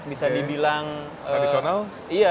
bisa dibilang tradisional